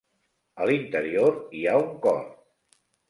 A l'interior hi ha un cor.